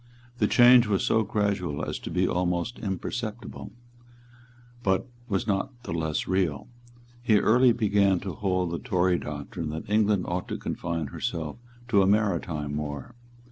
The change was so gradual as to be almost imperceptible; but was not the less real. He early began to hold the Tory doctrine that England ought to confine herself to a maritime war.